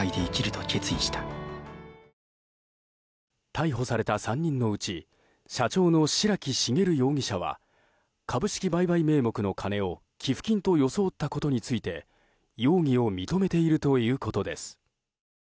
逮捕された３人のうち社長の白木茂容疑者は株式売買名目の金を寄付金と装ったことにについて容疑を認めているということです。